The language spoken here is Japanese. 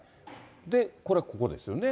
で、これはここですよね。